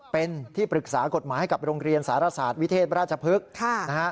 เป็นที่ปรึกษากฎหมายให้กับโรงเรียนสารศาสตร์วิเทศราชพฤกษ์นะฮะ